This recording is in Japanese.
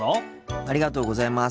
ありがとうございます。